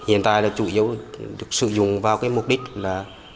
hiện tại là chủ yếu được sử dụng vào cái mục đích là